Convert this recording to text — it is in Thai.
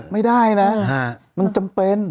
ไม่ได้นะมันจำเป็น